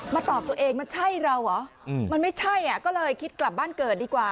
ตอบตัวเองมันใช่เราเหรอมันไม่ใช่อ่ะก็เลยคิดกลับบ้านเกิดดีกว่า